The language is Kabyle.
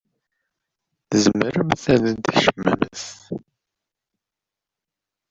Tzemremt ad tkecmemt.